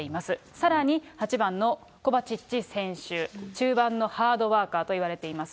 さらに８番のコバチッチ選手、中盤のハードワーカーといわれています。